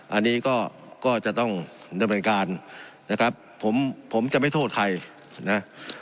อันนี้ก็ก็จะต้องดำเนินการนะครับผมผมจะไม่โทษใครนะ